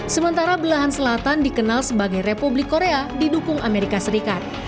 sementara belahan selatan dikenal sebagai republik korea didukung amerika serikat